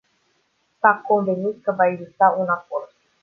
S-a convenit că va exista un acord.